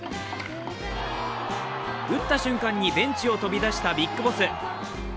打った瞬間にベンチを飛び出したビッグボス。